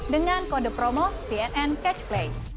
dengan kode promo cnncatchplay